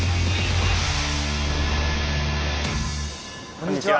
こんにちは。